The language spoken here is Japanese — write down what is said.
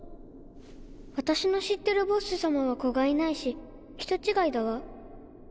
私の知ってるボッス様は子がいないし人違いだわ。